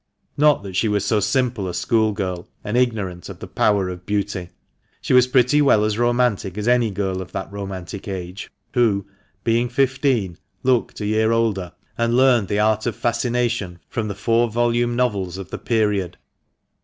Not that she was a simple school girl, and ignorant of the power of beauty. She was pretty well as romantic as any girl of that romantic age who, being fifteen, looked a year older, and learned the art of fascination from the four volume novels of the period.